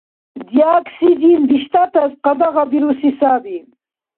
Диоксидин биштӀатас къадагъабируси саби.